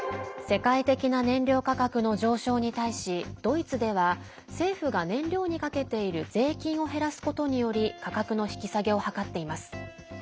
世界的な燃料価格の上昇に対しドイツでは政府が燃料にかけている税金を減らすことにより価格の引き下げを図っています。